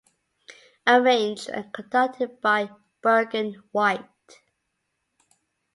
Arranged and conducted by Bergen White.